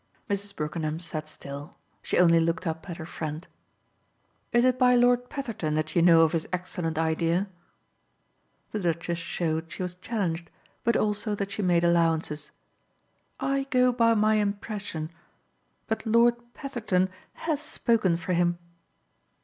Mrs. Brookenham sat still; she only looked up at her friend. "Is it by Lord Petherton that you know of his excellent idea?" The Duchess showed she was challenged, but also that she made allowances. "I go by my impression. But Lord Petherton HAS spoken for him."